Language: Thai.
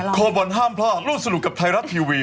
โคบอลห้ามพลาดร่วมสนุกกับไทยรัฐทีวี